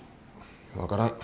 分からん。